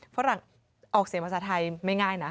ฝรั่งออกเสียงภาษาไทยไม่ง่ายนะ